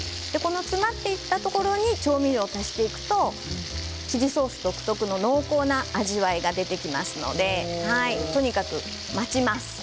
詰まっていったところに調味料を足していくとチリソース独特の濃厚な味わいが出てきますのでとにかく待ちます。